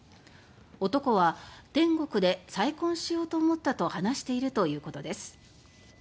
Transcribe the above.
男は「天国で再婚しようと思った」と話しているということです。